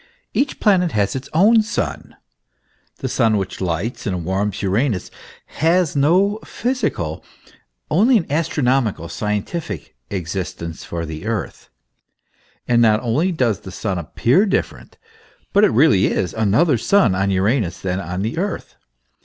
Each planet has its own sun. The Sun which lights and warms Uranus has no physical (only an astronomical, scientific) existence for the earth; and not only does the Sun appear different, but it really is another sun on Uranus than on the Earth.